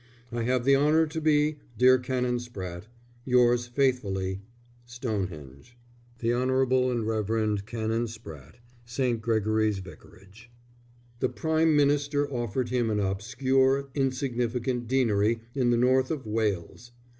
_ I have the honour to be, dear Canon Spratte, Yours faithfully, STONEHENGE. THE HON. AND REV. CANON SPRATTE, St. Gregory's Vicarage. The Prime Minister offered him an obscure, insignificant deanery in the north of Wales.